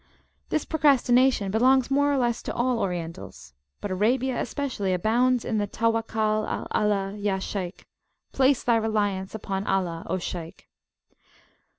This procrastination belongs more or less to all Orientals. But Arabia especially abounds in the Tawakkal al Allah, ya Shaykh! Place thy reliance upon Allah, O Shaykh!